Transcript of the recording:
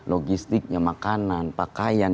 logistiknya makanan pakaian